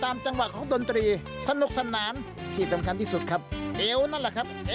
อารมณ์แบบนี้ต้องเต้นซัมบ้าโชว์ซักหน่อยเชิญชอบได้เลยครับ